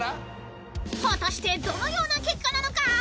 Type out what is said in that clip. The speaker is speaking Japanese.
［果たしてどのような結果なのか？］